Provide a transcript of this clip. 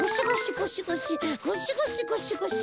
ゴシゴシゴシゴシ。